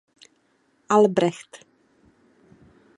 Albrecht.